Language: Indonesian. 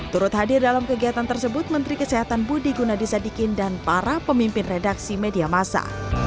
turut hadir dalam kegiatan tersebut menteri kesehatan budi gunadisadikin dan para pemimpin redaksi media masa